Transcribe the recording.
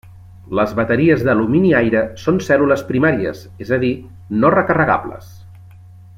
Les bateries d'alumini-aire són cèl·lules primàries, és a dir, no recarregables.